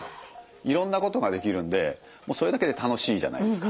いろんなことができるんでもうそれだけで楽しいじゃないですか。